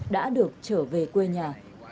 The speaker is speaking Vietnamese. đã được trở về quê nhà